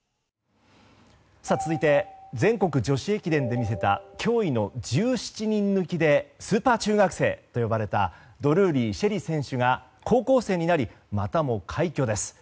続いて全国女子駅伝で見せた驚異の１７人抜きでスーパー中学生と呼ばれたドルーリー朱瑛里選手が高校生になり、またも快挙です。